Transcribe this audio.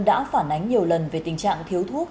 đã phản ánh nhiều lần về tình trạng thiếu thuốc